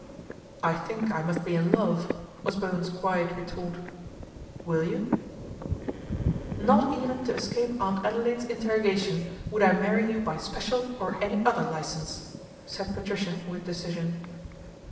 " I think I must be in love," was Bowen's quiet retort. " Will you ?"" Not even to escape Aunt Adelaide's interro gation would I marry you by special, or any other licence," said Patricia with decision.